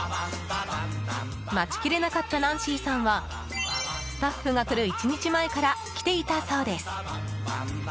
待ちきれなかったナンシーさんはスタッフが来る１日前から来ていたそうです。